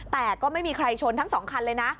แต่ก็ไม่มีใครชนทั้งสองคันเลยนะ